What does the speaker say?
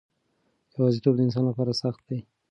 یوازیتوب د انسان لپاره سخت دی.